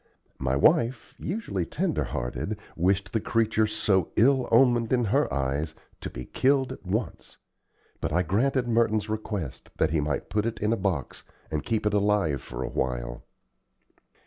My wife, usually tender hearted, wished the creature, so ill omened in her eyes, to be killed at once, but I granted Merton's request that he might put it in a box and keep it alive for a while.